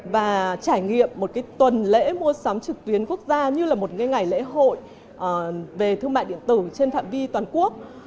và trải nghiệm một tuần lễ mua sắm trực tuyến quốc gia như là một ngày lễ hội về thương mại điện tử trên phạm vi toàn quốc